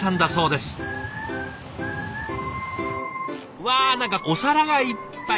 うわ何かお皿がいっぱい。